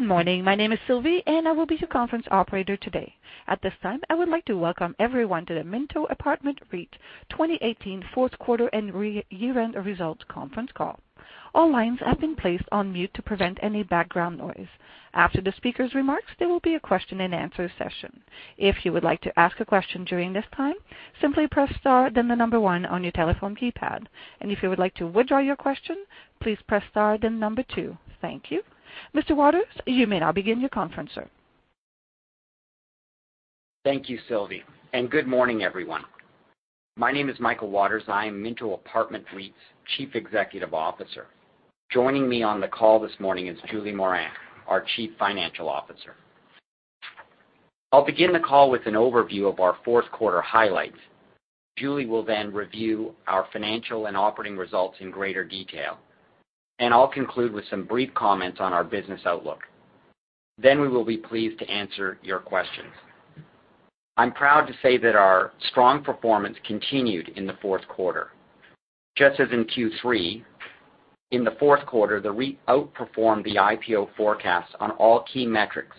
Good morning. My name is Sylvie, I will be your conference operator today. At this time, I would like to welcome everyone to the Minto Apartment REIT 2018 fourth quarter and year-end results conference call. All lines have been placed on mute to prevent any background noise. After the speaker's remarks, there will be a question and answer session. If you would like to ask a question during this time, simply press star then the number one on your telephone keypad. If you would like to withdraw your question, please press star then number two. Thank you. Mr. Waters, you may now begin your conference, sir. Thank you, Sylvie. Good morning, everyone. My name is Michael Waters. I am Minto Apartment REIT's Chief Executive Officer. Joining me on the call this morning is Julie Morin, our Chief Financial Officer. I'll begin the call with an overview of our fourth quarter highlights. Julie Morin will then review our financial and operating results in greater detail. I'll conclude with some brief comments on our business outlook. We will be pleased to answer your questions. I'm proud to say that our strong performance continued in the fourth quarter. Just as in Q3, in the fourth quarter, the REIT outperformed the IPO forecast on all key metrics,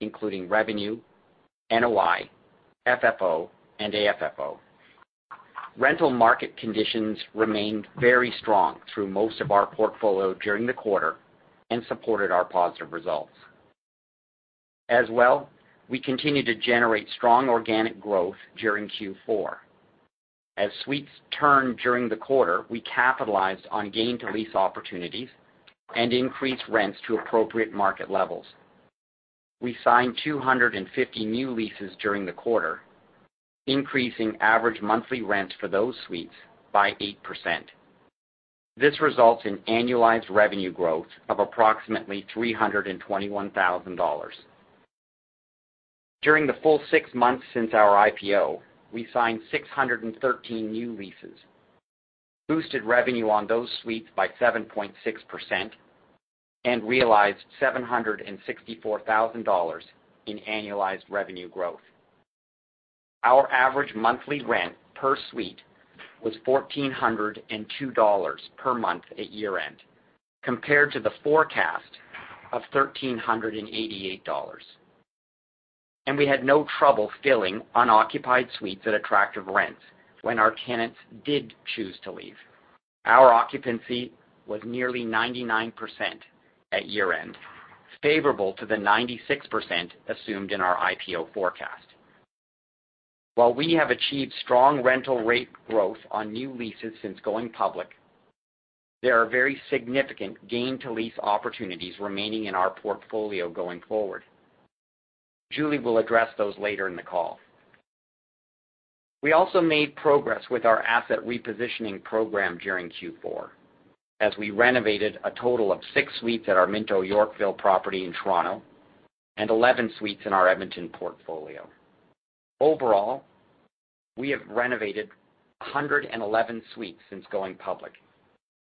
including revenue, net operating income, net operating income, and adjusted funds from operations. Rental market conditions remained very strong through most of our portfolio during the quarter and supported our positive results. We continued to generate strong organic growth during Q4. As suites turned during the quarter, we capitalized on gain to lease opportunities and increased rents to appropriate market levels. We signed 250 new leases during the quarter, increasing average monthly rents for those suites by 8%. This results in annualized revenue growth of approximately 321,000 dollars. During the full six months since our IPO, we signed 613 new leases, boosted revenue on those suites by 7.6%, and realized 764,000 dollars in annualized revenue growth. Our average monthly rent per suite was 1,402 dollars per month at year-end, compared to the forecast of 1,388 dollars. We had no trouble filling unoccupied suites at attractive rents when our tenants did choose to leave. Our occupancy was nearly 99% at year-end, favorable to the 96% assumed in our IPO forecast. While we have achieved strong rental rate growth on new leases since going public, there are very significant gain-to-lease opportunities remaining in our portfolio going forward. Julie Morin will address those later in the call. We also made progress with our asset repositioning program during Q4, as we renovated a total of six suites at our Minto Yorkville property in Toronto and 11 suites in our Edmonton portfolio. Overall, we have renovated 111 suites since going public.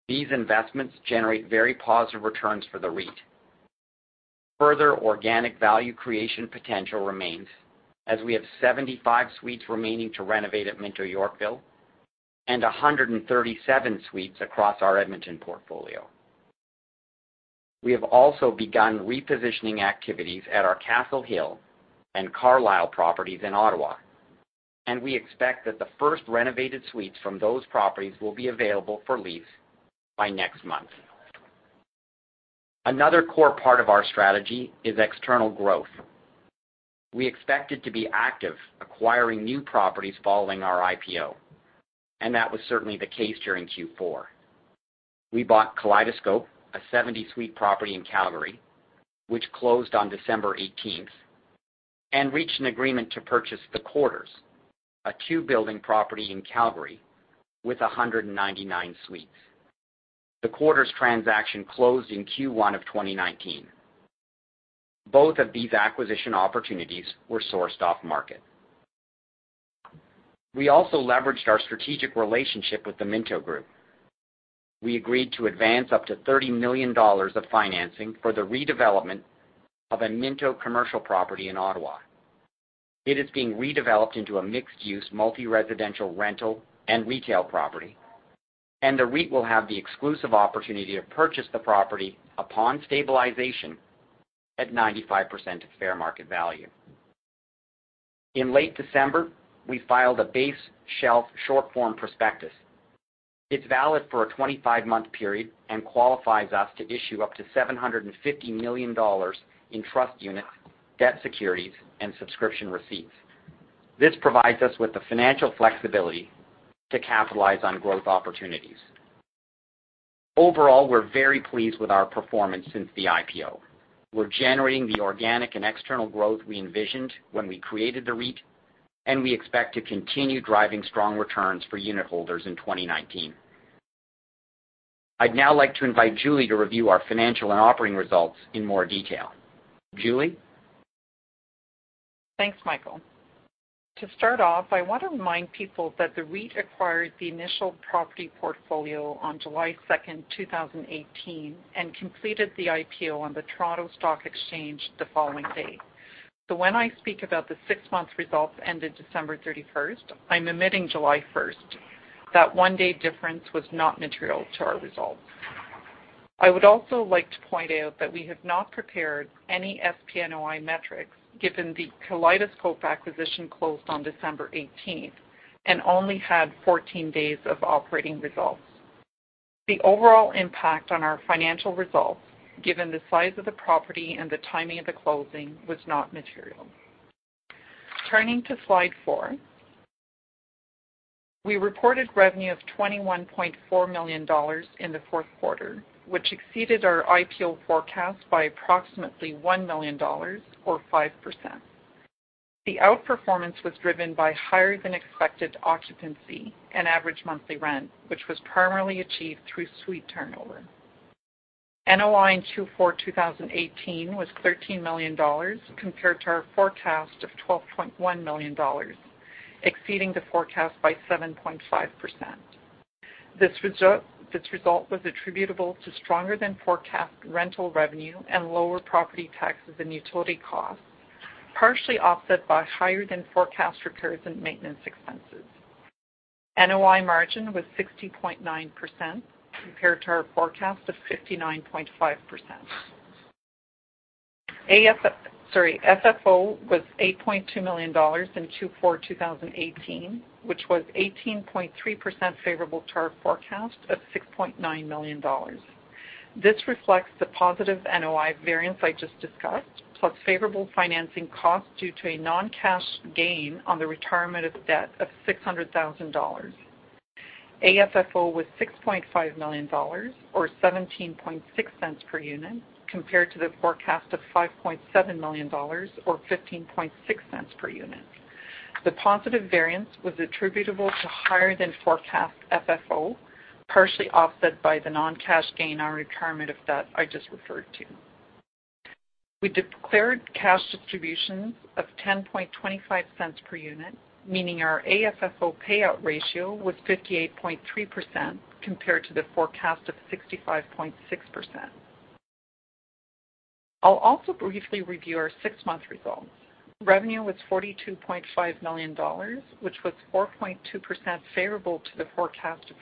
These investments generate very positive returns for the REIT. Further organic value creation potential remains, as we have 75 suites remaining to renovate at Minto Yorkville and 137 suites across our Edmonton portfolio. We have also begun repositioning activities at our Castle Hill and The Carlisle properties in Ottawa. We expect that the first renovated suites from those properties will be available for lease by next month. Another core part of our strategy is external growth. We expected to be active acquiring new properties following our IPO, and that was certainly the case during Q4. We bought Kaleidoscope, a 70-suite property in Calgary, which closed on December 18th, and reached an agreement to purchase The Quarters, a two-building property in Calgary with 199 suites. The Quarters transaction closed in Q1 of 2019. Both of these acquisition opportunities were sourced off-market. We also leveraged our strategic relationship with The Minto Group. We agreed to advance up to 30 million dollars of financing for the redevelopment of a Minto commercial property in Ottawa. It is being redeveloped into a mixed-use, multi-residential, rental, and retail property, and the REIT will have the exclusive opportunity to purchase the property upon stabilization at 95% of fair market value. In late December, we filed a base shelf short form prospectus. It's valid for a 25-month period and qualifies us to issue up to 750 million dollars in trust units, debt securities, and subscription receipts. This provides us with the financial flexibility to capitalize on growth opportunities. Overall, we're very pleased with our performance since the IPO. We're generating the organic and external growth we envisioned when we created the REIT, and we expect to continue driving strong returns for unit holders in 2019. I'd now like to invite Julie Morin to review our financial and operating results in more detail. Julie? Thanks, Michael. To start off, I want to remind people that the REIT acquired the initial property portfolio on July 2nd, 2018, and completed the IPO on the Toronto Stock Exchange the following day. When I speak about the six-month results ended December 31st, I'm omitting July 1st. That one-day difference was not material to our results. I would also like to point out that we have not prepared any same property net operating income metrics, given the Kaleidoscope acquisition closed on December 18th and only had 14 days of operating results. The overall impact on our financial results, given the size of the property and the timing of the closing, was not material. Turning to slide four, we reported revenue of 21.4 million dollars in the fourth quarter, which exceeded our IPO forecast by approximately 1 million dollars, or 5%. The outperformance was driven by higher than expected occupancy and average monthly rent, which was primarily achieved through suite turnover. NOI in Q4 2018 was 13 million dollars, compared to our forecast of 12.1 million dollars, exceeding the forecast by 7.5%. This result was attributable to stronger than forecast rental revenue and lower property taxes and utility costs, partially offset by higher than forecast repairs and maintenance expenses. NOI margin was 60.9%, compared to our forecast of 59.5%. FFO was CAD 8.2 million in Q4 2018, which was 18.3% favorable to our forecast of 6.9 million dollars. This reflects the positive NOI variance I just discussed, plus favorable financing costs due to a non-cash gain on the retirement of debt of 600,000 dollars. AFFO was 6.5 million dollars, or 0.176 per unit, compared to the forecast of 5.7 million dollars, or 0.156 per unit. The positive variance was attributable to higher than forecast FFO, partially offset by the non-cash gain on retirement of debt I just referred to. We declared cash distributions of 0.1025 per unit, meaning our AFFO payout ratio was 58.3%, compared to the forecast of 65.6%. I will also briefly review our six-month results. Revenue was 42.5 million dollars, which was 4.2% favorable to the forecast of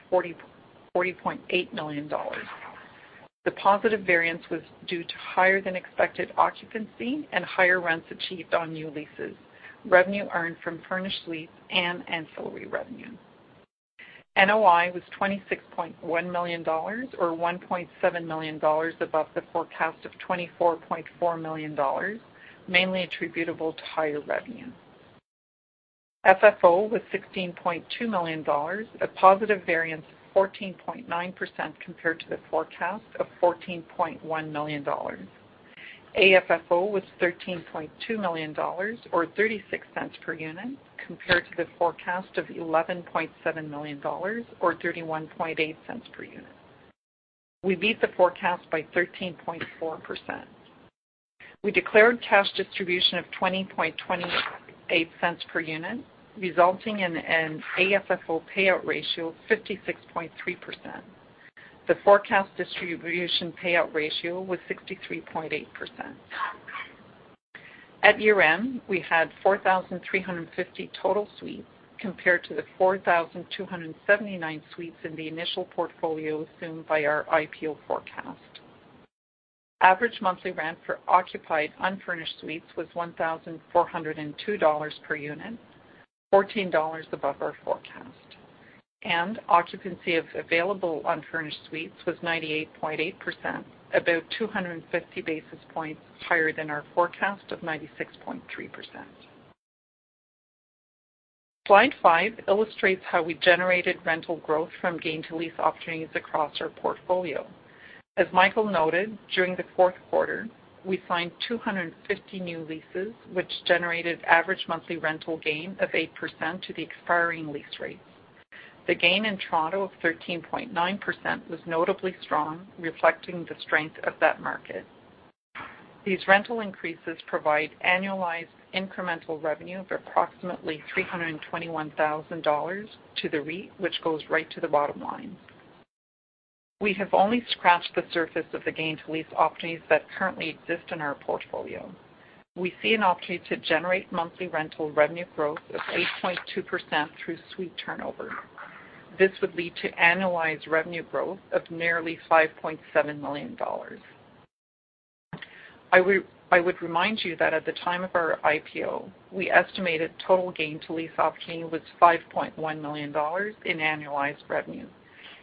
40.8 million dollars. The positive variance was due to higher than expected occupancy and higher rents achieved on new leases, revenue earned from furnished leases, and ancillary revenue. NOI was 26.1 million dollars, or 1.7 million dollars above the forecast of 24.4 million dollars, mainly attributable to higher revenue. FFO was 16.2 million dollars, a positive variance of 14.9% compared to the forecast of 14.1 million dollars. AFFO was 13.2 million dollars, or 0.36 per unit, compared to the forecast of 11.7 million dollars, or 0.318 per unit. We beat the forecast by 13.4%. We declared cash distribution of 0.2028 per unit, resulting in an AFFO payout ratio of 56.3%. The forecast distribution payout ratio was 63.8%. At year-end, we had 4,350 total suites, compared to the 4,279 suites in the initial portfolio assumed by our IPO forecast. Average monthly rent for occupied unfurnished suites was 1,402 dollars per unit, 14 dollars above our forecast, and occupancy of available unfurnished suites was 98.8%, about 250 basis points higher than our forecast of 96.3%. Slide five illustrates how we generated rental growth from gain to lease opportunities across our portfolio. As Michael noted, during the fourth quarter, we signed 250 new leases, which generated average monthly rental gain of 8% to the expiring lease rates. The gain in Toronto of 13.9% was notably strong, reflecting the strength of that market. These rental increases provide annualized incremental revenue of approximately 321,000 dollars to the REIT, which goes right to the bottom line. We have only scratched the surface of the gain to lease opportunities that currently exist in our portfolio. We see an opportunity to generate monthly rental revenue growth of 8.2% through suite turnover. This would lead to annualized revenue growth of nearly 5.7 million dollars. I would remind you that at the time of our IPO, we estimated total gain to lease opportunity was 5.1 million dollars in annualized revenue.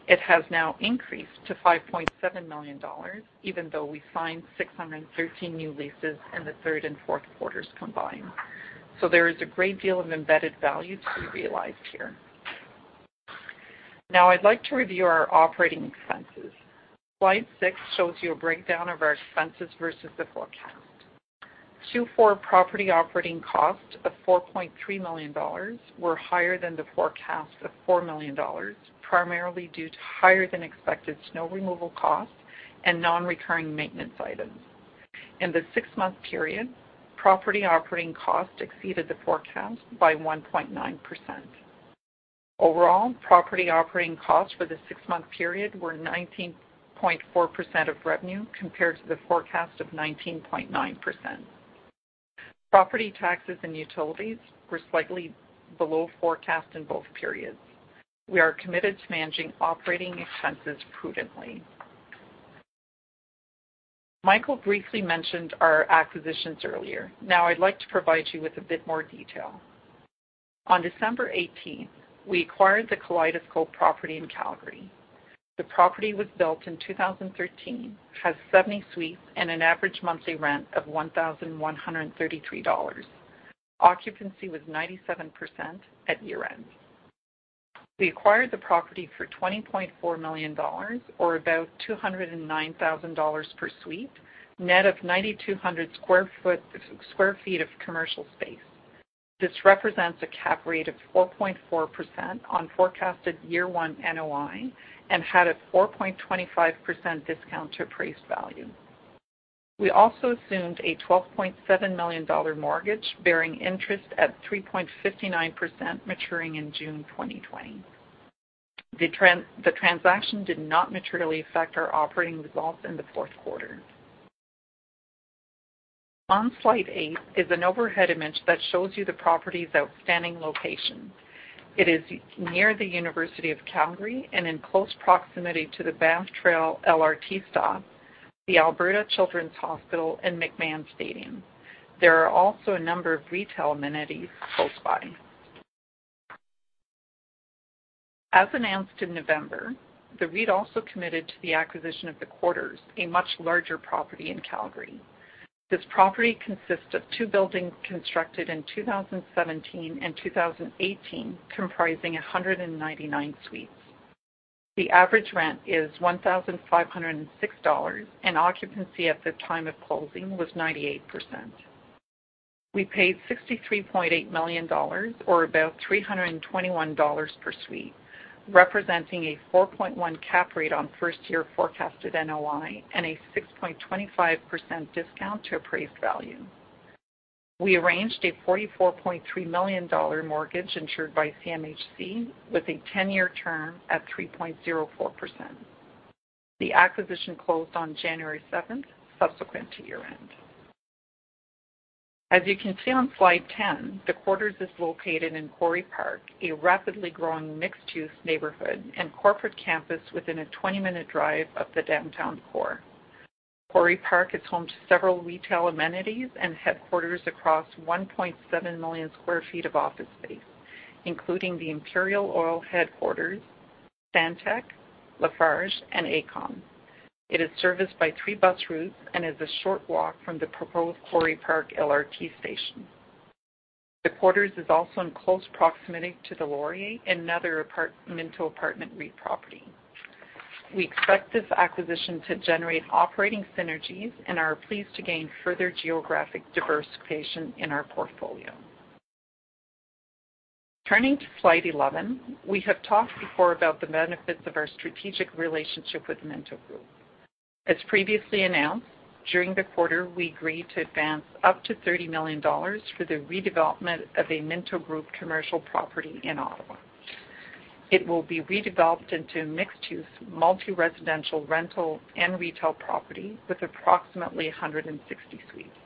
It has now increased to 5.7 million dollars, even though we signed 613 new leases in the third and fourth quarters combined. There is a great deal of embedded value to be realized here. Now I would like to review our operating expenses. Slide six shows you a breakdown of our expenses versus the forecast. Q4 property operating costs of 4.3 million dollars were higher than the forecast of 4 million dollars, primarily due to higher than expected snow removal costs and non-recurring maintenance items. In the six-month period, property operating costs exceeded the forecast by 1.9%. Overall, property operating costs for the six-month period were 19.4% of revenue, compared to the forecast of 19.9%. Property taxes and utilities were slightly below forecast in both periods. We are committed to managing operating expenses prudently. Michael briefly mentioned our acquisitions earlier. Now, I would like to provide you with a bit more detail. On December 18th, we acquired the Kaleidoscope Property in Calgary. The property was built in 2013, has 70 suites, and an average monthly rent of 1,133 dollars. Occupancy was 97% at year-end. We acquired the property for 20.4 million dollars, or about 209,000 dollars per suite, net of 9,200 sq ft of commercial space. This represents a cap rate of 4.4% on forecasted year one NOI, and had a 4.25% discount to appraised value. We also assumed a CAD 12.7 million mortgage bearing interest at 3.59%, maturing in June 2020. The transaction did not materially affect our operating results in the fourth quarter. On slide eight is an overhead image that shows you the property's outstanding location. It is near the University of Calgary and in close proximity to the Banff Trail LRT stop, the Alberta Children's Hospital, and McMahon Stadium. There are also a number of retail amenities close by. As announced in November, the REIT also committed to the acquisition of The Quarters, a much larger property in Calgary. This property consists of two buildings constructed in 2017 and 2018, comprising 199 suites. The average rent is 1,506 dollars, and occupancy at the time of closing was 98%. We paid 63.8 million dollars, or about 321 dollars per suite, representing a 4.1% cap rate on first-year forecasted NOI and a 6.25% discount to appraised value. We arranged a 44.3 million dollar mortgage insured by Canada Mortgage and Housing Corporation with a 10-year term at 3.04%. The acquisition closed on January 7th, subsequent to year-end. As you can see on slide 10, The Quarters is located in Quarry Park, a rapidly growing mixed-use neighborhood and corporate campus within a 20-minute drive of the downtown core. Quarry Park is home to several retail amenities and headquarters across 1.7 million square feet of office space, including the Imperial Oil headquarters, Stantec, Lafarge, and Aecon. It is serviced by three bus routes and is a short walk from the proposed Quarry Park LRT station. The Quarters is also in close proximity to The Laurier, another Minto Apartment REIT property. We expect this acquisition to generate operating synergies and are pleased to gain further geographic diversification in our portfolio. Turning to slide 11, we have talked before about the benefits of our strategic relationship with Minto Group. As previously announced, during the quarter, we agreed to advance up to 30 million dollars for the redevelopment of a Minto Group commercial property in Ottawa. It will be redeveloped into mixed-use, multi-residential, rental, and retail property with approximately 160 suites.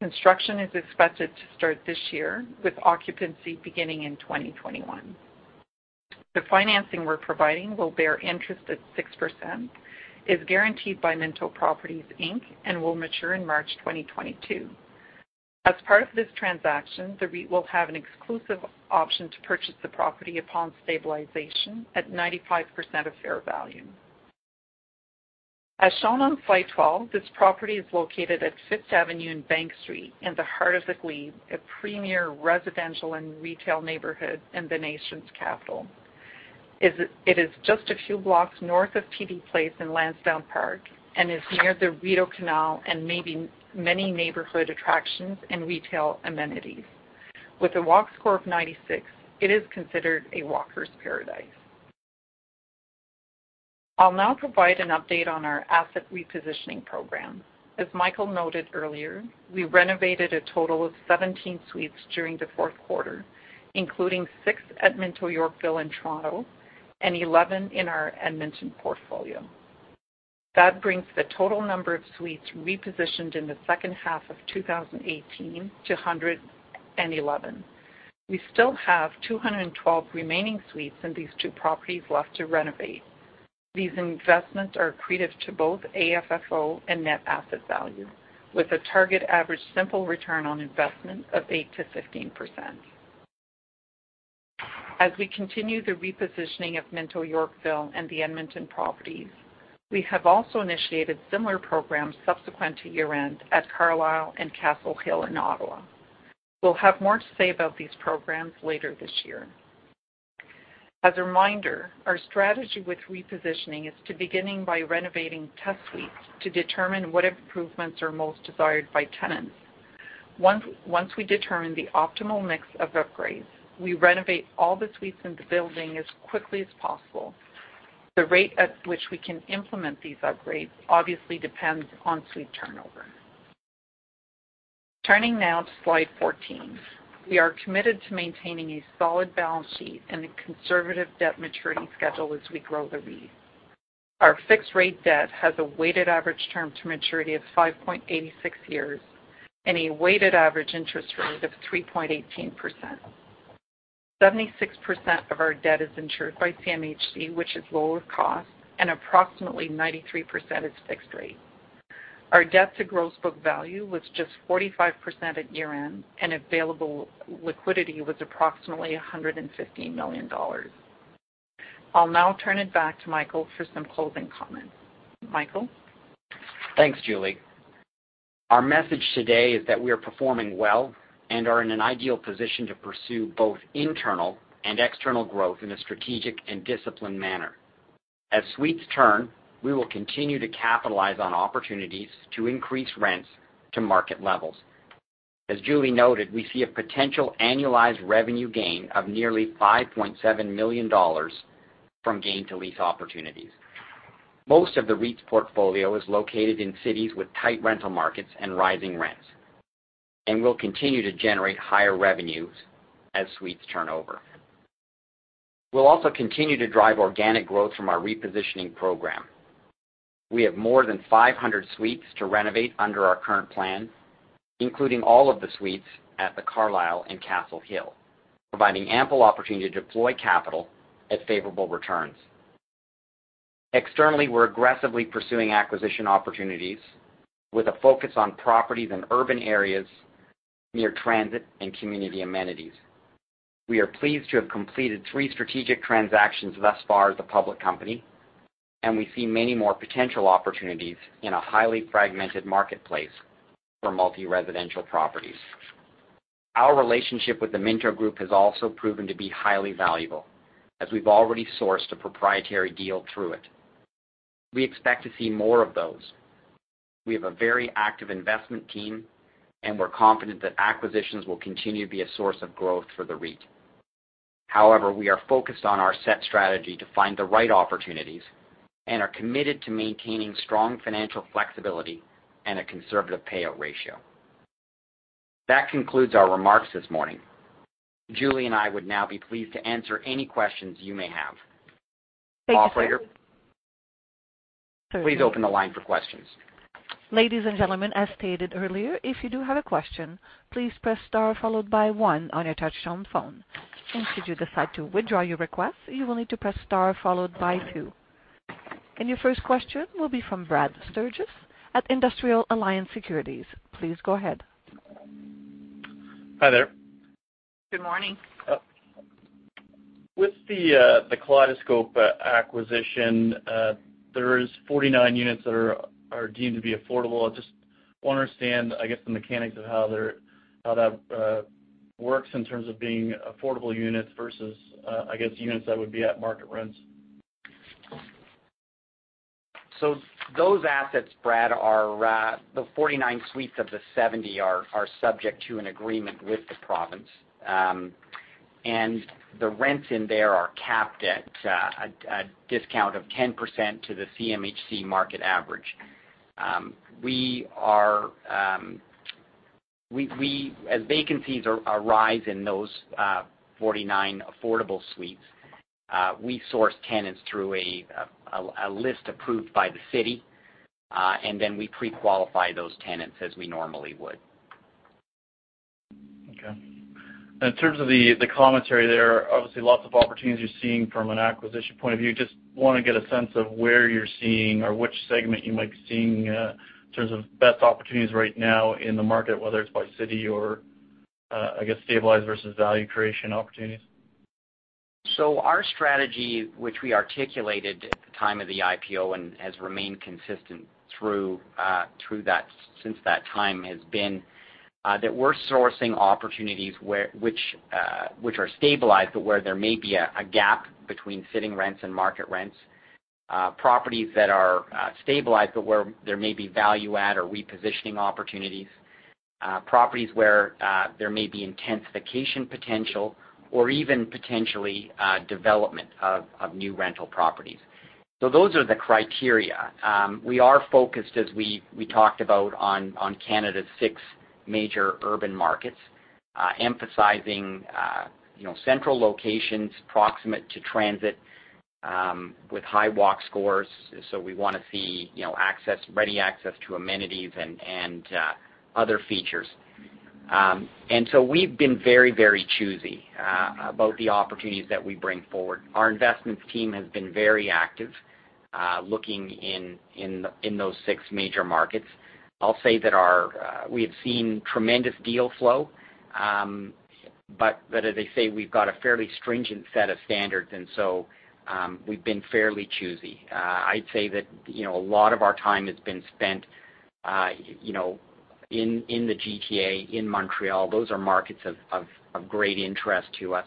Construction is expected to start this year, with occupancy beginning in 2021. The financing we're providing will bear interest at 6%, is guaranteed by Minto Properties Inc., and will mature in March 2022. As part of this transaction, the REIT will have an exclusive option to purchase the property upon stabilization at 95% of fair value. As shown on slide 12, this property is located at Fifth Avenue and Bank Street in the heart of the Glebe, a premier residential and retail neighborhood in the nation's capital. It is just a few blocks north of TD Place in Lansdowne Park and is near the Rideau Canal and many neighborhood attractions and retail amenities. With a Walk Score of 96, it is considered a walker's paradise. I'll now provide an update on our asset repositioning program. As Michael noted earlier, we renovated a total of 17 suites during the fourth quarter, including six at Minto Yorkville in Toronto and 11 in our Edmonton portfolio. That brings the total number of suites repositioned in the second half of 2018 to 111. We still have 212 remaining suites in these two properties left to renovate. These investments are accretive to both AFFO and net asset value, with a target average simple return on investment of 8%-15%. As we continue the repositioning of Minto Yorkville and the Edmonton properties, we have also initiated similar programs subsequent to year-end at The Carlisle and Castle Hill in Ottawa. We'll have more to say about these programs later this year. As a reminder, our strategy with repositioning is to beginning by renovating test suites to determine what improvements are most desired by tenants. Once we determine the optimal mix of upgrades, we renovate all the suites in the building as quickly as possible. The rate at which we can implement these upgrades obviously depends on suite turnover. Turning now to slide 14. We are committed to maintaining a solid balance sheet and a conservative debt maturity schedule as we grow the REIT. Our fixed-rate debt has a weighted average term to maturity of 5.86 years and a weighted average interest rate of 3.18%. 76% of our debt is insured by CMHC, which is lower cost, and approximately 93% is fixed rate. Our debt to gross book value was just 45% at year-end, and available liquidity was approximately 115 million dollars. I'll now turn it back to Michael for some closing comments. Michael? Thanks, Julie. Our message today is that we are performing well and are in an ideal position to pursue both internal and external growth in a strategic and disciplined manner. As suites turn, we will continue to capitalize on opportunities to increase rents to market levels. As Julie noted, we see a potential annualized revenue gain of nearly 5.7 million dollars from gain to lease opportunities. Most of the REIT's portfolio is located in cities with tight rental markets and rising rents, and will continue to generate higher revenues as suites turnover. We'll also continue to drive organic growth from our repositioning program. We have more than 500 suites to renovate under our current plan, including all of the suites at The Carlisle and Castle Hill, providing ample opportunity to deploy capital at favorable returns. Externally, we're aggressively pursuing acquisition opportunities with a focus on properties in urban areas near transit and community amenities. We are pleased to have completed three strategic transactions thus far as a public company, and we see many more potential opportunities in a highly fragmented marketplace for multi-residential properties. Our relationship with The Minto Group has also proven to be highly valuable, as we've already sourced a proprietary deal through it. We expect to see more of those. We have a very active investment team, and we're confident that acquisitions will continue to be a source of growth for the REIT. However, we are focused on our set strategy to find the right opportunities and are committed to maintaining strong financial flexibility and a conservative payout ratio. That concludes our remarks this morning. Julie and I would now be pleased to answer any questions you may have. Thank you. Operator, please open the line for questions. Ladies and gentlemen, as stated earlier, if you do have a question, please press star followed by one on your touch-tone phone. Should you decide to withdraw your request, you will need to press star followed by two. Your first question will be from Brad Sturges at Industrial Alliance Securities. Please go ahead. Hi there. Good morning. With the Kaleidoscope acquisition, there is 49 units that are deemed to be affordable. I just want to understand, I guess, the mechanics of how that works in terms of being affordable units versus, I guess, units that would be at market rents. Those assets, Brad, the 49 suites of the 70 are subject to an agreement with the province. The rents in there are capped at a discount of 10% to the CMHC market average. As vacancies arise in those 49 affordable suites, we source tenants through a list approved by the city, and then we pre-qualify those tenants as we normally would. Okay. In terms of the commentary, there are obviously lots of opportunities you're seeing from an acquisition point of view. Just want to get a sense of where you're seeing or which segment you might be seeing in terms of best opportunities right now in the market, whether it's by city or, I guess, stabilized versus value creation opportunities. Our strategy, which we articulated at the time of the IPO and has remained consistent since that time, has been that we're sourcing opportunities which are stabilized, but where there may be a gap between sitting rents and market rents, properties that are stabilized but where there may be value-add or repositioning opportunities, properties where there may be intensification potential, or even potentially development of new rental properties. Those are the criteria. We are focused, as we talked about, on Canada's six major urban markets, emphasizing central locations proximate to transit with high Walk Scores. We want to see ready access to amenities and other features. We've been very choosy about the opportunities that we bring forward. Our investments team has been very active looking in those six major markets. I'll say that we have seen tremendous deal flow. As I say, we've got a fairly stringent set of standards, we've been fairly choosy. I'd say that a lot of our time has been spent in the Greater Toronto Area, in Montreal. Those are markets of great interest to us,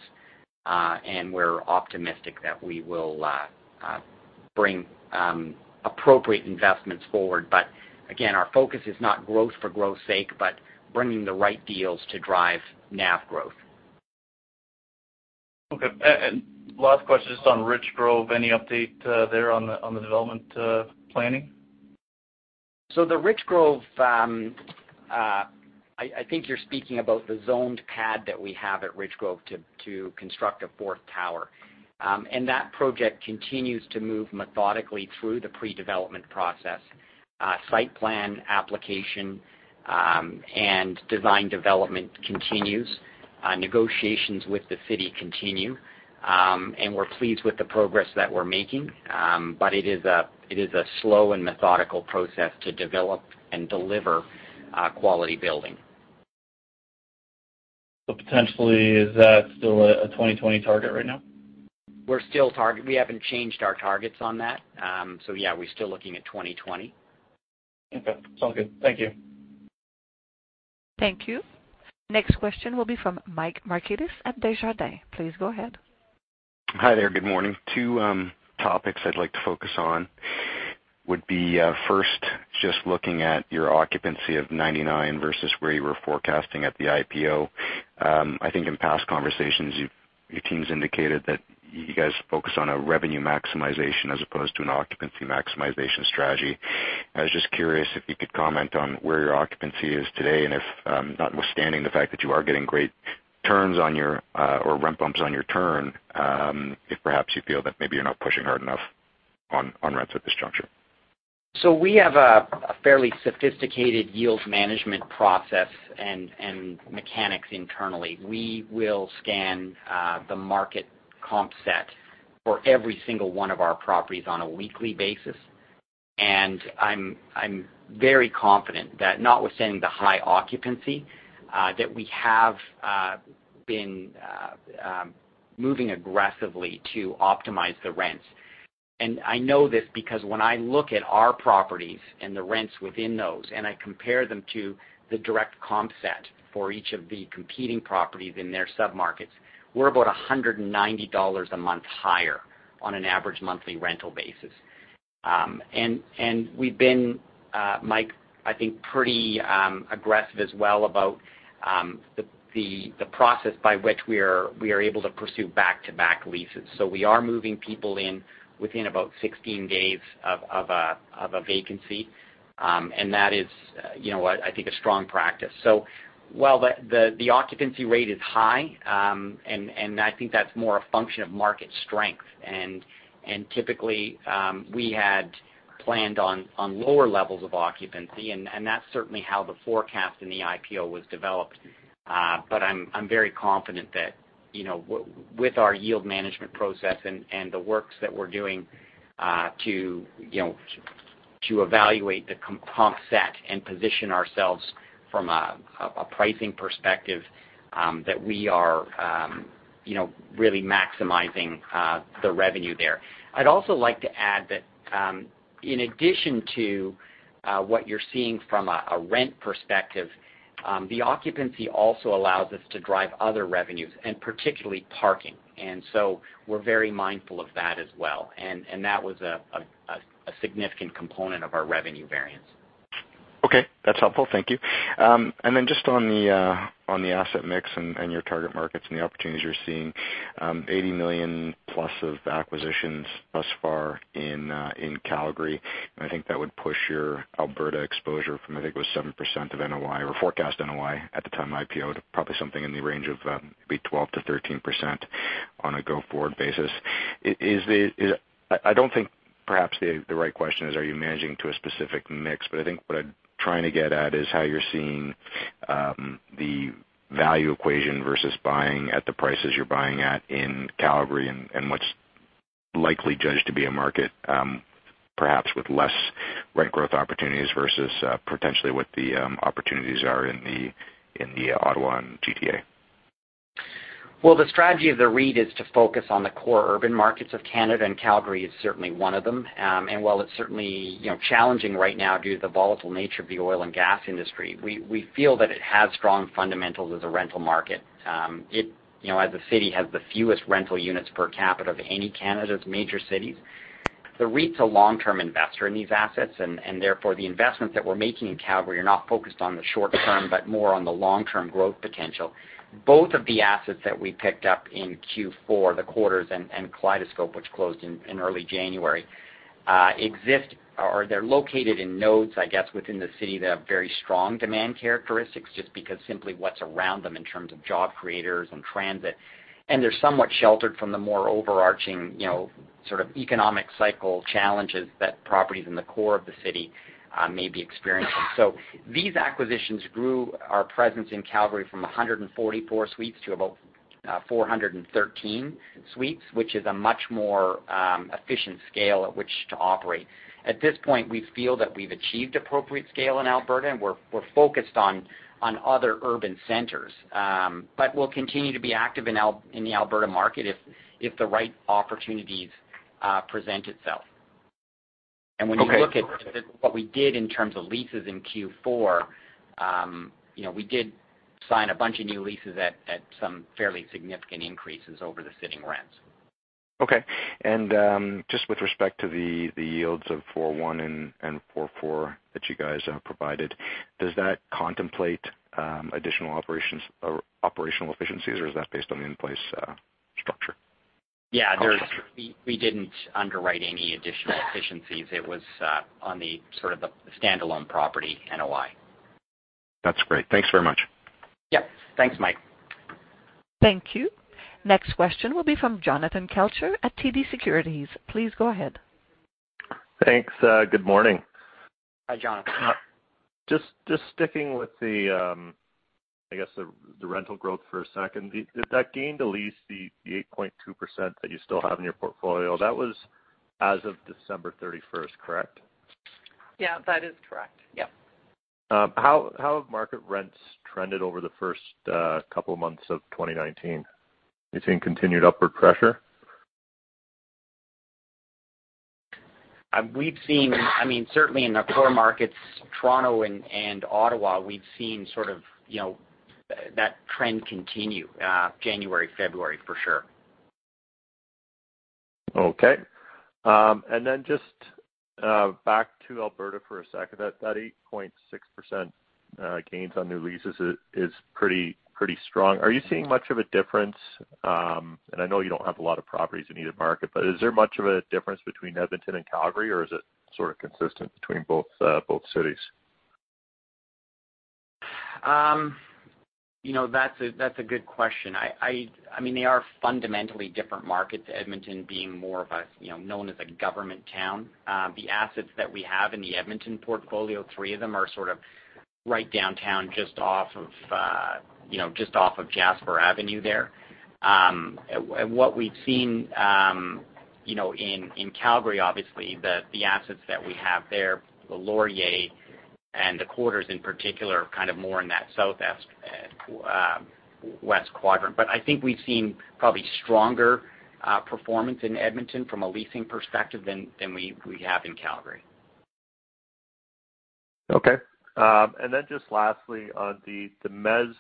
and we're optimistic that we will bring appropriate investments forward. Again, our focus is not growth for growth's sake, but bringing the right deals to drive net asset value growth. Okay. Last question, just on Richgrove. Any update there on the development planning? The Richgrove, I think you're speaking about the zoned pad that we have at Richgrove to construct a fourth tower. That project continues to move methodically through the pre-development process. Site plan application, design development continues. Negotiations with the city continue. We're pleased with the progress that we're making. It is a slow and methodical process to develop and deliver a quality building. Potentially, is that still a 2020 target right now? We haven't changed our targets on that. Yeah, we're still looking at 2020. Okay. Sounds good. Thank you. Thank you. Next question will be from Mike Markidis at Desjardins. Please go ahead. Hi there. Good morning. Two topics I'd like to focus on would be, first, just looking at your occupancy of 99 versus where you were forecasting at the IPO. I think in past conversations, your teams indicated that you guys focus on a revenue maximization as opposed to an occupancy maximization strategy. I was just curious if you could comment on where your occupancy is today, and if, notwithstanding the fact that you are getting great turns on your or rent bumps on your turn, if perhaps you feel that maybe you're not pushing hard enough on rents at this juncture. We have a fairly sophisticated yield management process and mechanics internally. We will scan the market comp set for every single one of our properties on a weekly basis. I'm very confident that notwithstanding the high occupancy, that we have been moving aggressively to optimize the rents. I know this because when I look at our properties and the rents within those, and I compare them to the direct comp set for each of the competing properties in their sub-markets, we're about 190 dollars a month higher on an average monthly rental basis. We've been, Mike, I think, pretty aggressive as well about the process by which we are able to pursue back-to-back leases. We are moving people in within about 16 days of a vacancy, and that is I think a strong practice. While the occupancy rate is high, and I think that's more a function of market strength, and typically, we had planned on lower levels of occupancy, and that's certainly how the forecast in the IPO was developed. I'm very confident that, with our yield management process and the works that we're doing to evaluate the comp set and position ourselves from a pricing perspective, that we are really maximizing the revenue there. I'd also like to add that in addition to what you're seeing from a rent perspective, the occupancy also allows us to drive other revenues, and particularly parking. We're very mindful of that as well. That was a significant component of our revenue variance. Okay. That's helpful. Thank you. Just on the asset mix and your target markets and the opportunities you're seeing, 80 million-plus of acquisitions thus far in Calgary. I think that would push your Alberta exposure from, I think it was 7% of NOI or forecast NOI at the time of IPO, to probably something in the range of maybe 12%-13% on a go-forward basis. I don't think perhaps the right question is are you managing to a specific mix, but I think what I'm trying to get at is how you're seeing the value equation versus buying at the prices you're buying at in Calgary and what's likely judged to be a market, perhaps with less rent growth opportunities versus potentially what the opportunities are in the Ottawa and GTA. Well, the strategy of the REIT is to focus on the core urban markets of Canada, and Calgary is certainly one of them. While it's certainly challenging right now due to the volatile nature of the oil and gas industry, we feel that it has strong fundamentals as a rental market. It, as a city, has the fewest rental units per capita of any of Canada's major cities. The REIT's a long-term investor in these assets, therefore, the investments that we're making in Calgary are not focused on the short-term but more on the long-term growth potential. Both of the assets that we picked up in Q4, The Quarters and Kaleidoscope, which closed in early January, they're located in nodes, I guess, within the city that have very strong demand characteristics, just because simply what's around them in terms of job creators and transit. They're somewhat sheltered from the more overarching sort of economic cycle challenges that properties in the core of the city may be experiencing. These acquisitions grew our presence in Calgary from 144 suites to about 413 suites, which is a much more efficient scale at which to operate. At this point, we feel that we've achieved appropriate scale in Alberta, and we're focused on other urban centers. We'll continue to be active in the Alberta market if the right opportunities present itself. Okay. When you look at what we did in terms of leases in Q4, we did sign a bunch of new leases at some fairly significant increases over the sitting rents. Okay. Just with respect to the yields of 4.1% and 4.4% that you guys provided, does that contemplate additional operational efficiencies or is that based on the in-place structure? Yeah. We didn't underwrite any additional efficiencies. It was on the standalone property NOI. That's great. Thanks very much. Yep. Thanks, Mike. Thank you. Next question will be from Jonathan Kelcher at TD Securities. Please go ahead. Thanks. Good morning. Hi, Jonathan. Just sticking with the, I guess the rental growth for a second. Did that gain to lease the 8.2% that you still have in your portfolio, that was as of December 31st, correct? Yeah, that is correct. Yep. How have market rents trended over the first couple of months of 2019? Are you seeing continued upward pressure? We've seen, certainly in the core markets, Toronto and Ottawa, we've seen that trend continue January, February, for sure. Okay. Then just back to Alberta for a second. That 8.6% gains on new leases is pretty strong. Are you seeing much of a difference, and I know you don't have a lot of properties in either market, but is there much of a difference between Edmonton and Calgary, or is it sort of consistent between both cities? That's a good question. They are fundamentally different markets, Edmonton being more of known as a government town. The assets that we have in the Edmonton portfolio, three of them are sort of right downtown, just off of Jasper Avenue there. What we've seen in Calgary, obviously, the assets that we have there, The Laurier and The Quarters in particular, are kind of more in that southwest quadrant. I think we've seen probably stronger performance in Edmonton from a leasing perspective than we have in Calgary. Just lastly, on the mezzanine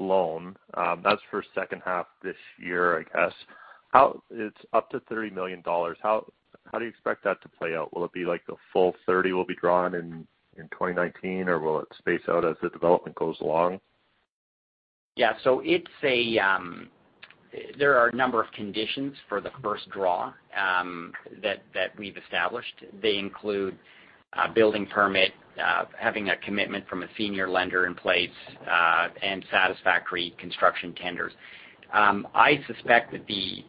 loan. That's for second half this year, I guess. It's up to 30 million dollars. How do you expect that to play out? Will it be like the full 30 will be drawn in 2019, or will it space out as the development goes along? There are a number of conditions for the first draw that we've established. They include a building permit, having a commitment from a senior lender in place, and satisfactory construction tenders. I suspect that the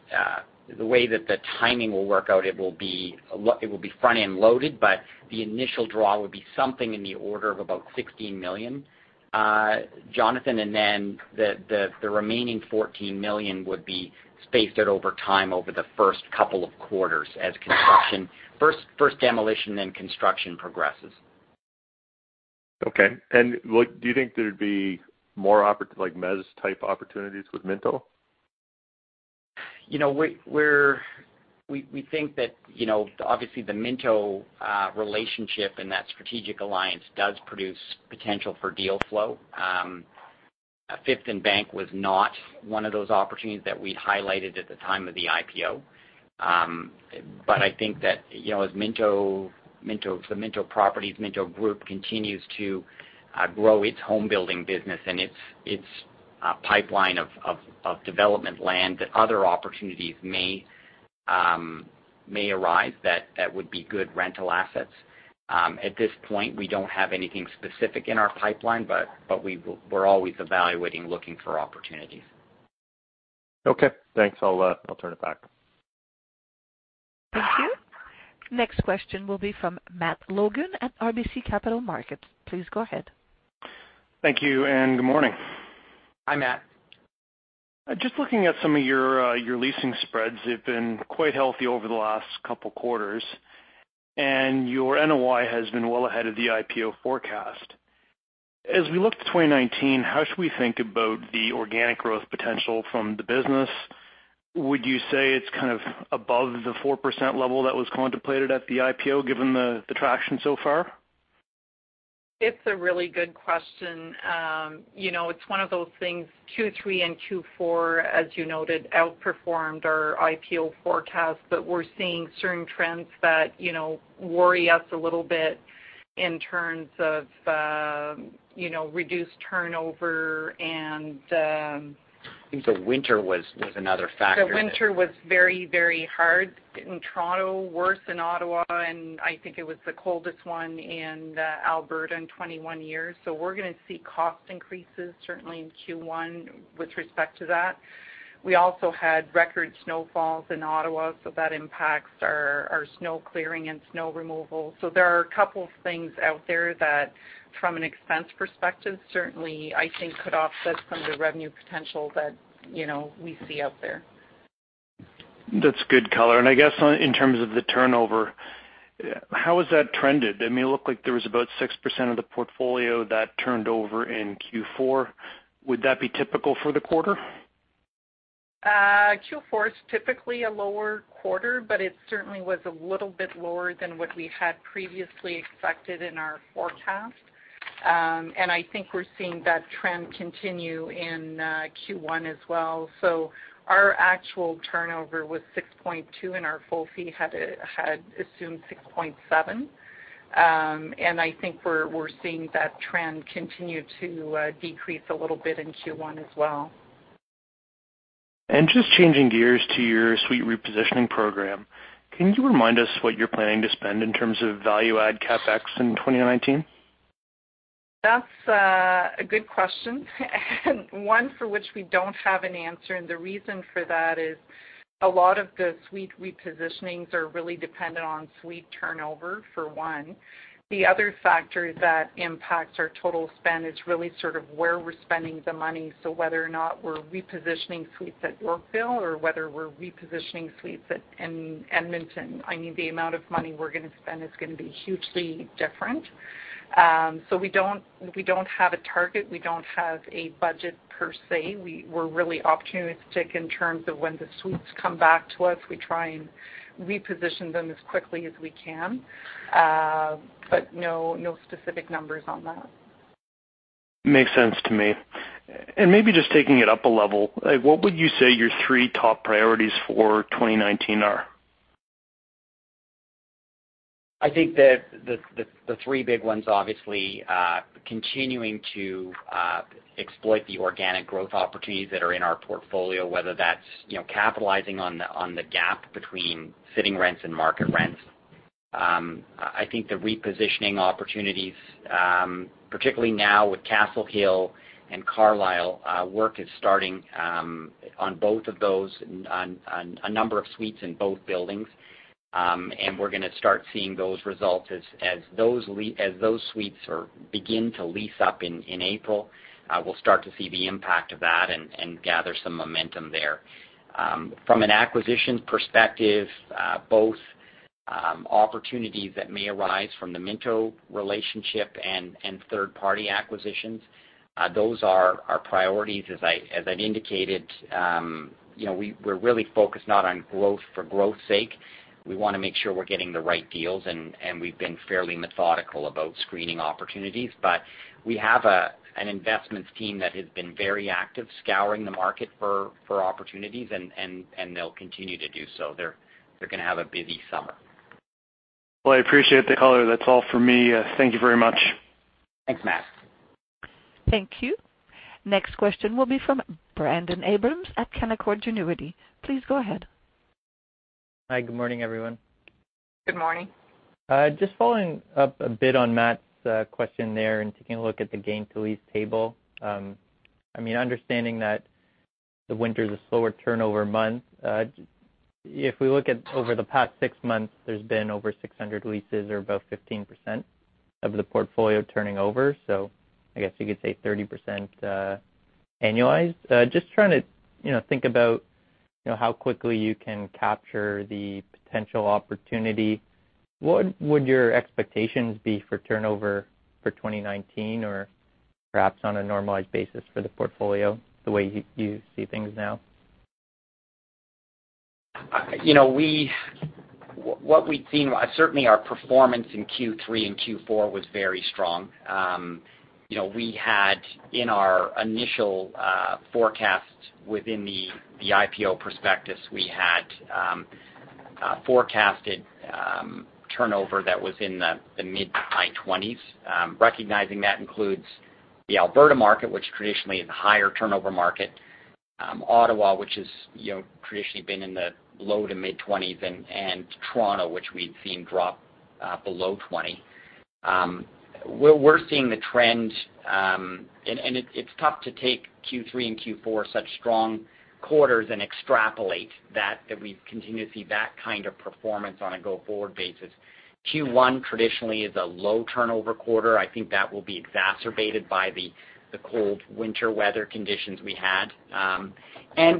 way that the timing will work out, it will be front-end loaded, the initial draw would be something in the order of about 16 million, Jonathan, and then the remaining 14 million would be spaced out over time over the first couple of quarters as construction. First demolition, then construction progresses. Okay. Do you think there'd be mor opportunities with Minto? We think that, obviously the Minto relationship and that strategic alliance does produce potential for deal flow. Fifth and Bank was not one of those opportunities that we'd highlighted at the time of the IPO. I think that as the Minto Properties, Minto Group continues to grow its home building business and its pipeline of development land, that other opportunities may arise that would be good rental assets. At this point, we don't have anything specific in our pipeline, but we're always evaluating, looking for opportunities. Okay. Thanks. I'll turn it back. Thank you. Next question will be from Matt Logan at RBC Capital Markets. Please go ahead. Thank you. Good morning. Hi, Matt. Just looking at some of your leasing spreads, they've been quite healthy over the last couple quarters. Your NOI has been well ahead of the IPO forecast. As we look to 2019, how should we think about the organic growth potential from the business? Would you say it's kind of above the 4% level that was contemplated at the IPO, given the traction so far? It's a really good question. It's one of those things, Q3 and Q4, as you noted, outperformed our IPO forecast. We're seeing certain trends that worry us a little bit in terms of reduced turnover. I think the winter was another factor. The winter was very, very hard in Toronto, worse in Ottawa, and I think it was the coldest one in Alberta in 21 years. We're going to see cost increases certainly in Q1 with respect to that. We also had record snowfalls in Ottawa, so that impacts our snow clearing and snow removal. There are a couple of things out there that, from an expense perspective, certainly, I think could offset some of the revenue potential that we see out there. That's good color. I guess in terms of the turnover, how has that trended? I mean, it looked like there was about 6% of the portfolio that turned over in Q4. Would that be typical for the quarter? Q4 is typically a lower quarter, it certainly was a little bit lower than what we had previously expected in our forecast. I think we're seeing that trend continue in Q1 as well. Our actual turnover was 6.2%, and our full forecast had assumed 6.7%. I think we're seeing that trend continue to decrease a little bit in Q1 as well. Just changing gears to your suite repositioning program, can you remind us what you're planning to spend in terms of value add CapEx in 2019? That's a good question, one for which we don't have an answer, the reason for that is a lot of the suite repositionings are really dependent on suite turnover, for one. The other factor that impacts our total spend is really sort of where we're spending the money, whether or not we're repositioning suites at Yorkville or whether we're repositioning suites at Edmonton. The amount of money we're going to spend is going to be hugely different. We don't have a target. We don't have a budget per se. We're really opportunistic in terms of when the suites come back to us. We try and reposition them as quickly as we can. No specific numbers on that. Makes sense to me. Maybe just taking it up a level, what would you say your three top priorities for 2019 are? I think that the three big ones, obviously, continuing to exploit the organic growth opportunities that are in our portfolio, whether that's capitalizing on the gap between sitting rents and market rents. I think the repositioning opportunities, particularly now with Castle Hill and Carlisle, work is starting on both of those, on a number of suites in both buildings. We're going to start seeing those results as those suites begin to lease up in April. We'll start to see the impact of that and gather some momentum there. From an acquisitions perspective, both opportunities that may arise from the Minto relationship and third-party acquisitions. Those are our priorities. As I've indicated, we're really focused not on growth for growth's sake. We want to make sure we're getting the right deals. We've been fairly methodical about screening opportunities. We have an investments team that has been very active, scouring the market for opportunities. They'll continue to do so. They're going to have a busy summer. Well, I appreciate the color. That's all for me. Thank you very much. Thanks, Matt. Thank you. Next question will be from Brendon Abrams at Canaccord Genuity. Please go ahead. Hi, good morning, everyone. Good morning. Just following up a bit on Matt's question there, taking a look at the gain to lease table. Understanding that the winter is a slower turnover month, if we look at over the past six months, there's been over 600 leases or about 15% of the portfolio turning over. I guess you could say 30% annualized. Just trying to think about how quickly you can capture the potential opportunity. What would your expectations be for turnover for 2019 or perhaps on a normalized basis for the portfolio, the way you see things now? What we've seen, certainly our performance in Q3 and Q4 was very strong. We had in our initial forecast within the IPO prospectus, we had forecasted turnover that was in the mid-high 20s. Recognizing that includes the Alberta market, which traditionally is a higher turnover market. Ottawa, which has traditionally been in the low to mid-20s, and Toronto, which we've seen drop below 20. We're seeing the trend, and it's tough to take Q3 and Q4, such strong quarters, and extrapolate that we continue to see that kind of performance on a go-forward basis. Q1 traditionally is a low-turnover quarter. I think that will be exacerbated by the cold winter weather conditions we had.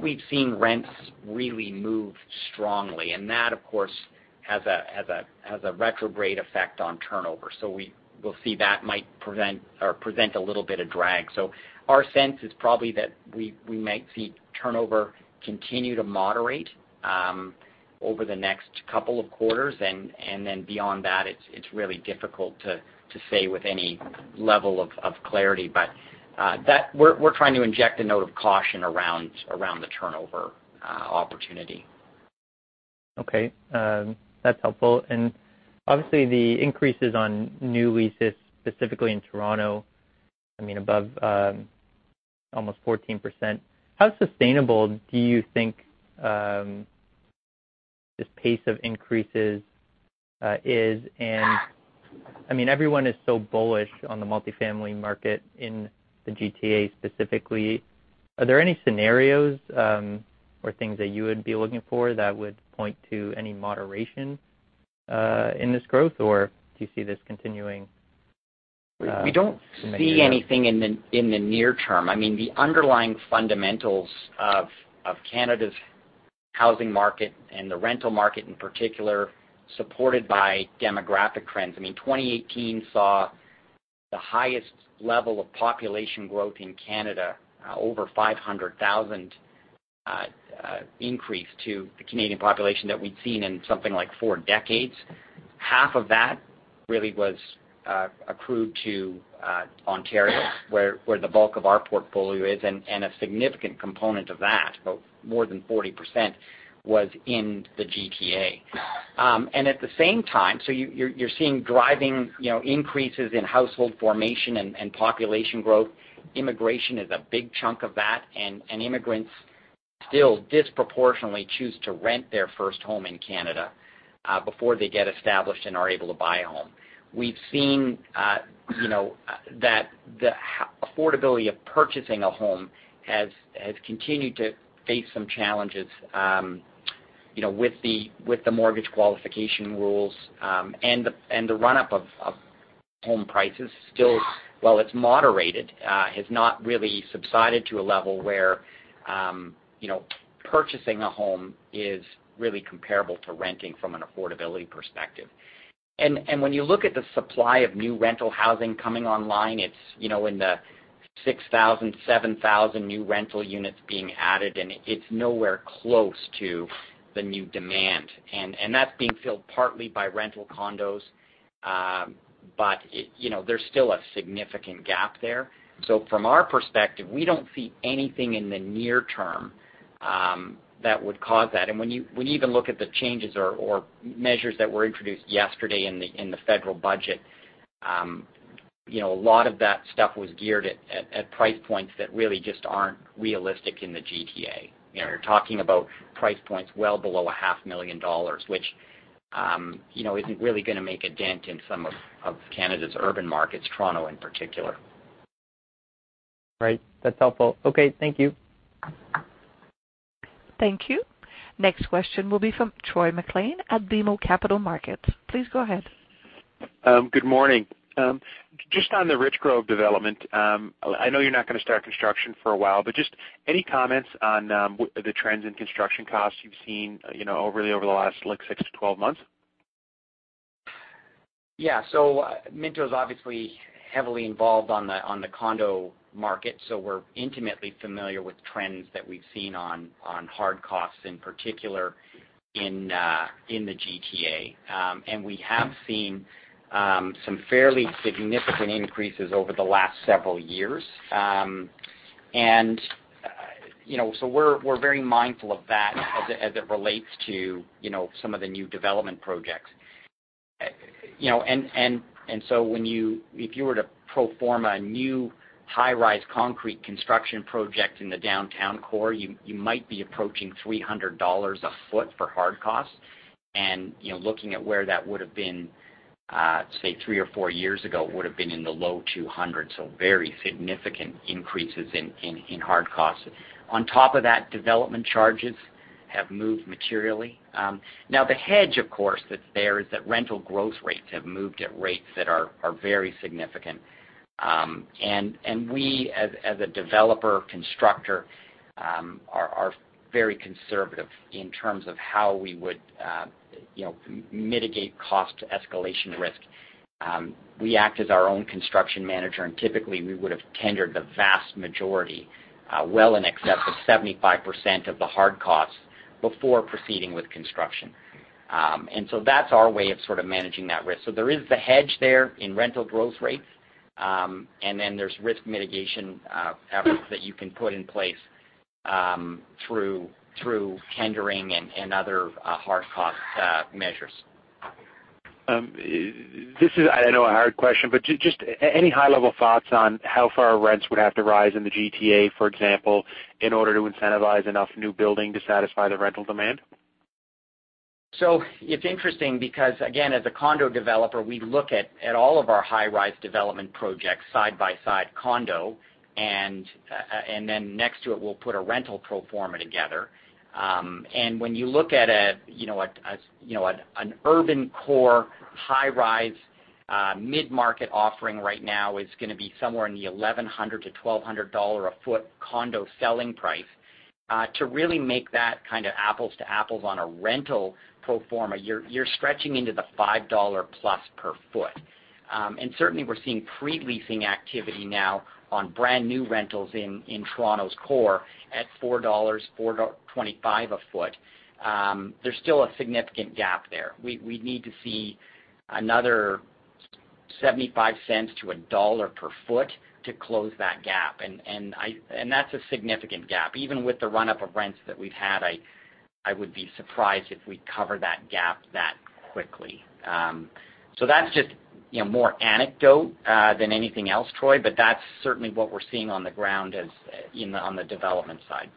We've seen rents really move strongly, and that, of course, has a retrograde effect on turnover. We'll see that might present a little bit of drag. Our sense is probably that we might see turnover continue to moderate over the next couple of quarters, then beyond that, it's really difficult to say with any level of clarity. We're trying to inject a note of caution around the turnover opportunity. Okay. That's helpful. Obviously, the increases on new leases, specifically in Toronto, above almost 14%, how sustainable do you think this pace of increases is? Everyone is so bullish on the multifamily market in the GTA specifically. Are there any scenarios or things that you would be looking for that would point to any moderation in this growth, or do you see this continuing to move upwards? We don't see anything in the near term. The underlying fundamentals of Canada's housing market and the rental market in particular, supported by demographic trends. 2018 saw the highest level of population growth in Canada. Over 500,000 increase to the Canadian population that we'd seen in something like four decades. Half of that really was accrued to Ontario, where the bulk of our portfolio is, and a significant component of that, more than 40%, was in the GTA. You're seeing driving increases in household formation and population growth. Immigration is a big chunk of that, and immigrants still disproportionately choose to rent their first home in Canada, before they get established and are able to buy a home. We've seen that the affordability of purchasing a home has continued to face some challenges with the mortgage qualification rules. The run-up of home prices still, while it's moderated, has not really subsided to a level where purchasing a home is really comparable to renting from an affordability perspective. When you look at the supply of new rental housing coming online, it's in the 6,000, 7,000 new rental units being added, and it's nowhere close to the new demand. That's being filled partly by rental condos. There's still a significant gap there. From our perspective, we don't see anything in the near term that would cause that. When you even look at the changes or measures that were introduced yesterday in the federal budget, a lot of that stuff was geared at price points that really just aren't realistic in the GTA. You're talking about price points well below a 0.5 million dollars, which isn't really going to make a dent in some of Canada's urban markets, Toronto in particular. Right. That's helpful. Okay. Thank you. Thank you. Next question will be from Troy MacLean at BMO Capital Markets. Please go ahead. Good morning. Just on the Richgrove development, I know you're not going to start construction for a while, any comments on the trends in construction costs you've seen really over the last six to 12 months? Minto's obviously heavily involved on the condo market, so we're intimately familiar with trends that we've seen on hard costs, in particular in the GTA. We have seen some fairly significant increases over the last several years. We're very mindful of that as it relates to some of the new development projects. If you were to pro forma a new high-rise concrete construction project in the downtown core, you might be approaching 300 dollars a foot for hard costs. Looking at where that would've been, say, three or four years ago, it would've been in the low 200s. Very significant increases in hard costs. On top of that, development charges have moved materially. Now the hedge, of course, that's there is that rental growth rates have moved at rates that are very significant. We, as a developer constructor, are very conservative in terms of how we would mitigate cost escalation risk. We act as our own construction manager, and typically we would've tendered the vast majority, well in excess of 75% of the hard costs before proceeding with construction. That's our way of sort of managing that risk. There is the hedge there in rental growth rates. Then there's risk mitigation efforts that you can put in place through tendering and other hard-cost measures. This is, I know, a hard question, but just any high-level thoughts on how far rents would have to rise in the GTA, for example, in order to incentivize enough new building to satisfy the rental demand? It's interesting because, again, as a condo developer, we look at all of our high-rise development projects side by side, condo, and then next to it, we'll put a rental pro forma together. When you look at an urban core high-rise, mid-market offering right now is going to be somewhere in the 1,100-1,200 dollar a foot condo selling price. To really make that kind of apples to apples on a rental pro forma, you're stretching into the 5+ dollar per foot. Certainly, we're seeing pre-leasing activity now on brand-new rentals in Toronto's core at 4 dollars, 4.25 a foot. There's still a significant gap there. We'd need to see another CAD 0.75-CAD 1.00 per foot to close that gap. That's a significant gap. Even with the run-up of rents that we've had, I would be surprised if we cover that gap that quickly. That's just more anecdote than anything else, Troy, but that's certainly what we're seeing on the ground on the development side.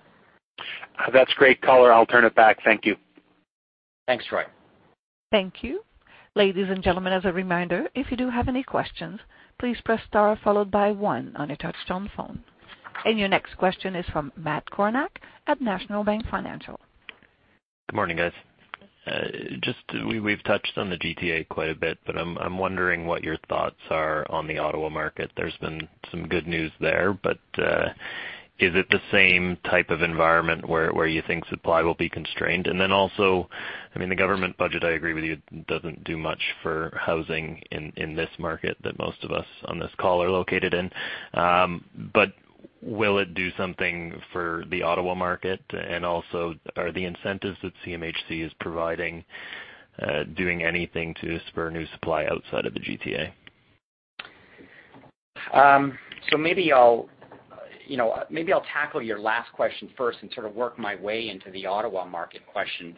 That's great color. I'll turn it back. Thank you. Thanks, Troy. Thank you. Ladies and gentlemen, as a reminder, if you do have any questions, please press star followed by one on your touchtone phone. Your next question is from Matt Kornack at National Bank Financial. Good morning, guys. We've touched on the GTA quite a bit, but I'm wondering what your thoughts are on the Ottawa market. There's been some good news there, but is it the same type of environment where you think supply will be constrained? Also, the government budget, I agree with you, doesn't do much for housing in this market that most of us on this call are located in. Will it do something for the Ottawa market? Also, are the incentives that CMHC is providing doing anything to spur new supply outside of the GTA? Maybe I'll tackle your last question first and sort of work my way into the Ottawa market question.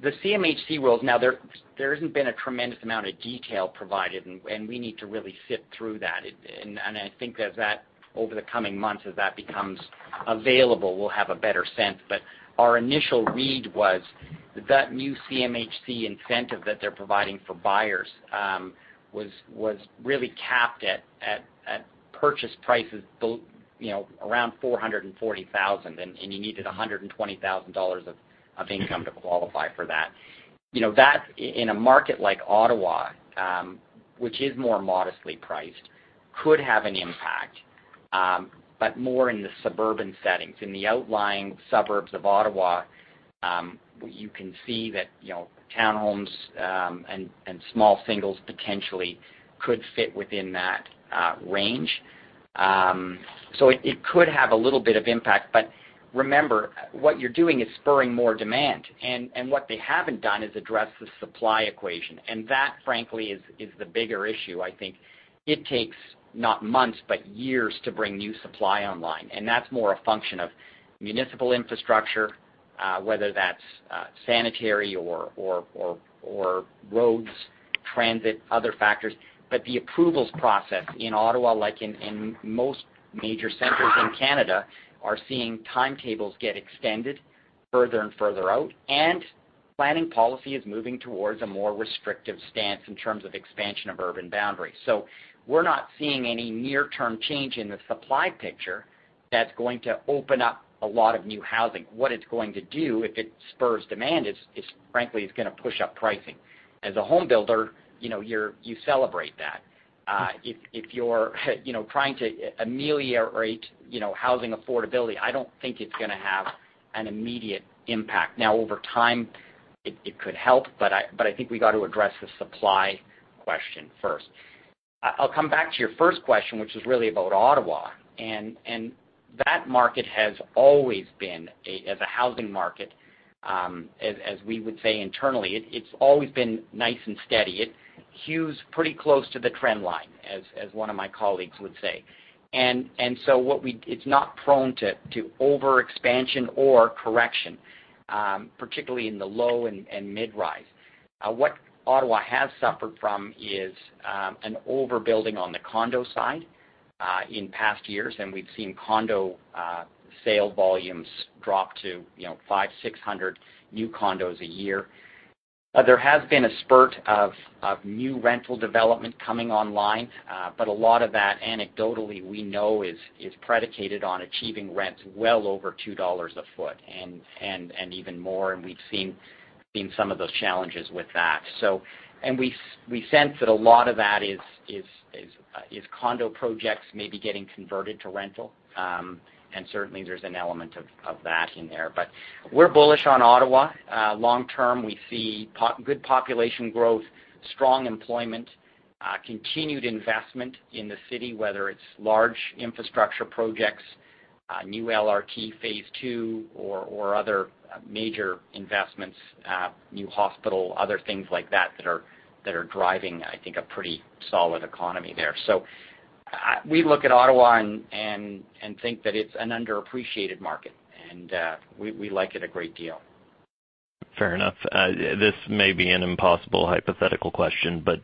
The CMHC rules, now there hasn't been a tremendous amount of detail provided, and we need to really sift through that. I think as that, over the coming months, as that becomes available, we'll have a better sense. Our initial read was that new CMHC incentive that they're providing for buyers was really capped at purchase prices around 440,000, and you needed 120,000 dollars of income to qualify for that. That, in a market like Ottawa, which is more modestly priced, could have an impact. More in the suburban settings. In the outlying suburbs of Ottawa, you can see that townhomes and small singles potentially could fit within that range. It could have a little bit of impact, but remember, what you're doing is spurring more demand, and what they haven't done is address the supply equation, and that, frankly, is the bigger issue. I think it takes not months, but years to bring new supply online, and that's more a function of municipal infrastructure, whether that's sanitary or roads, transit, other factors. The approvals process in Ottawa, like in most major centers in Canada, are seeing timetables get extended further and further out, and planning policy is moving towards a more restrictive stance in terms of expansion of urban boundaries. We're not seeing any near-term change in the supply picture that's going to open up a lot of new housing. What it's going to do if it spurs demand is, frankly, it's going to push up pricing. As a home builder, you celebrate that. If you're trying to ameliorate housing affordability, I don't think it's going to have an immediate impact. Now, over time, it could help, but I think we got to address the supply question first. I'll come back to your first question, which is really about Ottawa, and that market has always been, as a housing market, as we would say internally, it's always been nice and steady. It hews pretty close to the trend line, as one of my colleagues would say. It's not prone to overexpansion or correction, particularly in the low and mid-rise. What Ottawa has suffered from is an overbuilding on the condo side in past years, and we've seen condo sale volumes drop to 500, 600 new condos a year. There has been a spurt of new rental development coming online. A lot of that, anecdotally, we know, is predicated on achieving rents well over 2 dollars a foot and even more, and we've seen some of those challenges with that. We sense that a lot of that is condo projects maybe getting converted to rental, and certainly there's an element of that in there. We're bullish on Ottawa. Long-term, we see good population growth, strong employment, continued investment in the city, whether it's large infrastructure projects, new LRT phase II or other major investments, new hospital, other things like that are driving, I think, a pretty solid economy there. We look at Ottawa and think that it's an underappreciated market, and we like it a great deal. Fair enough. This may be an impossible hypothetical question, but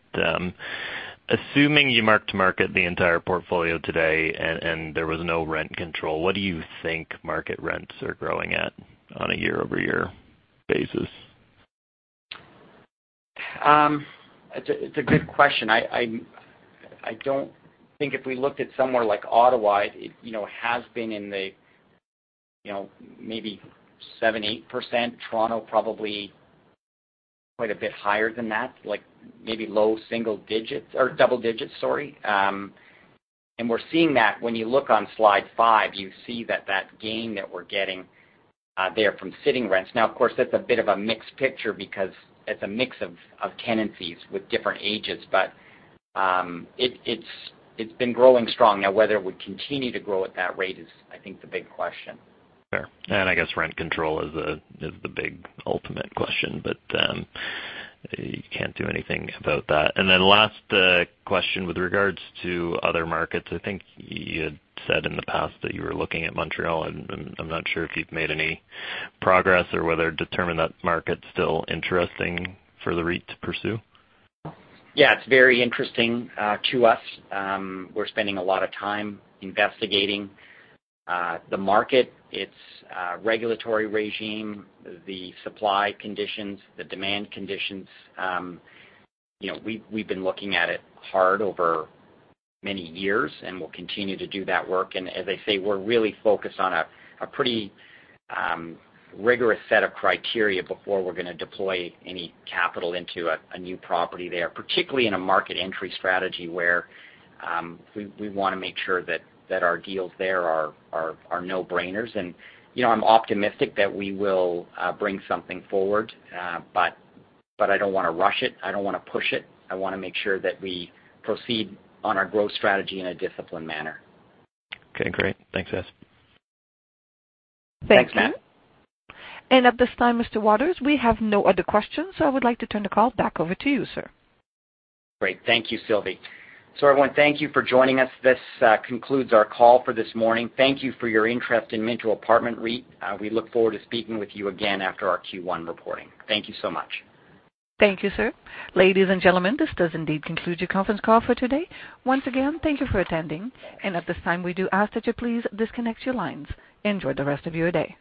assuming you mark-to-market the entire portfolio today and there was no rent control, what do you think market rents are growing at on a year-over-year basis? It's a good question. I don't think if we looked at somewhere like Ottawa, it has been in the maybe 7%-8%. Toronto, probably quite a bit higher than that, maybe low double digits. We're seeing that when you look on slide five, you see that gain that we're getting there from sitting rents. Now, of course, that's a bit of a mixed picture because it's a mix of tenancies with different ages, but it's been growing strong. Now, whether it would continue to grow at that rate is, I think, the big question. Fair. I guess rent control is the big ultimate question. You can't do anything about that. Last question with regards to other markets, I think you had said in the past that you were looking at Montreal, I'm not sure if you've made any progress or whether determined that market's still interesting for the REIT to pursue. Yeah, it's very interesting to us. We're spending a lot of time investigating the market, its regulatory regime, the supply conditions, the demand conditions. We've been looking at it hard over many years, we'll continue to do that work. As I say, we're really focused on a pretty rigorous set of criteria before we're going to deploy any capital into a new property there, particularly in a market entry strategy where we want to make sure that our deals there are no-brainers. I'm optimistic that we will bring something forward, but I don't want to rush it. I don't want to push it. I want to make sure that we proceed on our growth strategy in a disciplined manner. Okay, great. Thanks, guys. Thanks, Matt. Thank you. At this time, Mr. Waters, we have no other questions, so I would like to turn the call back over to you, sir. Great. Thank you, Sylvie. Everyone, thank you for joining us. This concludes our call for this morning. Thank you for your interest in Minto Apartment REIT. We look forward to speaking with you again after our Q1 reporting. Thank you so much. Thank you, sir. Ladies and gentlemen, this does indeed conclude your conference call for today. Once again, thank you for attending, and at this time, we do ask that you please disconnect your lines. Enjoy the rest of your day.